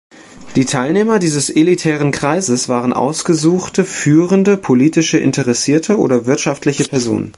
Die Teilnehmer dieses elitären Kreises waren ausgesuchte, führende politisch interessierte oder wirtschaftliche Personen.